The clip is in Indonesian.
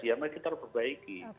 ya mari kita perbaiki